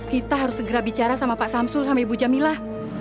kita harus segera bicara sama pak samsul sama ibu jamilah